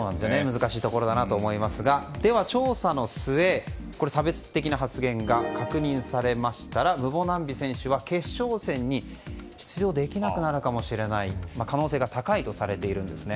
難しいところだなと思いますがでは、調査の末差別的発言が確認されましたらムボナンビ選手は決勝戦に出場できなくなるかもしれない可能性が高いとされているんですね。